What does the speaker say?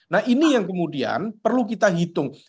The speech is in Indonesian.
nah ini yang kemudian perlu kita hitung